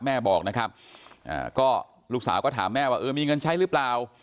แม่บอกนะครับก็ลูกสาวก็ถามแม่ว่าเออมีเงินใช้หรือเปล่า